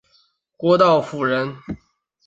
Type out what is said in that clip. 郭道甫人。